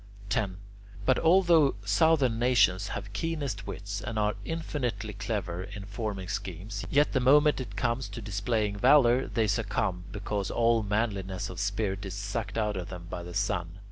10. But although southern nations have the keenest wits, and are infinitely clever in forming schemes, yet the moment it comes to displaying valour, they succumb because all manliness of spirit is sucked out of them by the sun.